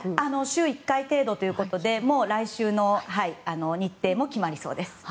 週１回程度ということでもう来週の日程も決まりそうです。